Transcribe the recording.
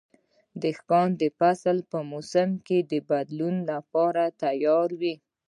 دهقان د فصل په موسم کې د بدلون لپاره تیار وي.